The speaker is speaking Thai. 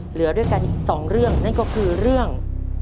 เหลือด้วยกันอีกสองเรื่องนั่นก็คือเรื่อง